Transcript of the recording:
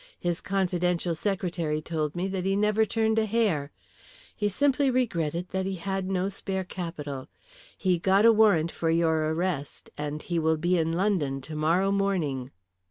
His confidential secretary told me that he never turned a hair. He simply regretted that he had no spare capital; he got a warrant for your arrest, and he will be in London tomorrow morning."